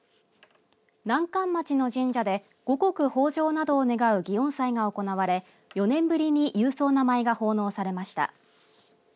南関町の神社で五穀豊じょうなどを願う祇園祭が行われ４年ぶりに勇壮な舞が奉納されました。